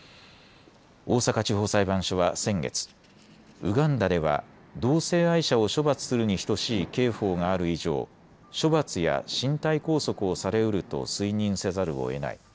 大阪地方裁判所は先月、ウガンダでは同性愛者を処罰するに等しい刑法がある以上、処罰や身体拘束をされうると推認せざるをえない。